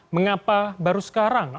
mengapa baru sekarang